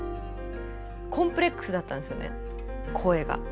コンプレックスだったんですよね声が。